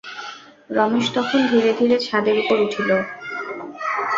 রমেশ তখন ধীরে ধীরে ছাদের উপর উঠিল।